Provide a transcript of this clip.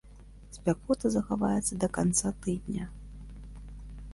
Спякота захаваецца да канца тыдня.